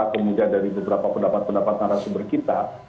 kemudian dari beberapa pendapat pendapat narasumber kita